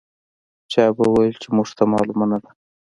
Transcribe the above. چا به ویل چې موږ ته معلومه نه ده.